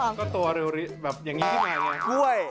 มันแบบอย่างยก